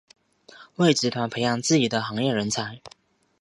为集团培养自己的行业人才。